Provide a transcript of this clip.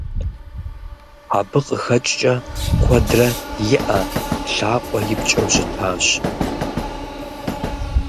Абы къыхэкӏкӏэ, куэдрэ и ӏэ, лъакъуэ ипкӏэу щытащ.